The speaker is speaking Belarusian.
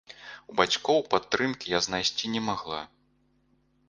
У бацькоў падтрымкі я знайсці не магла.